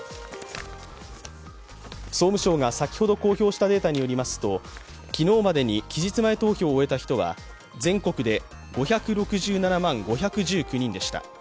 総務省が先ほど公表したデータによりますと昨日までに期日前投票を終えた人は全国で５６７万５１９人でした。